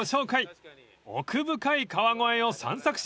［奥深い川越を散策しましょう］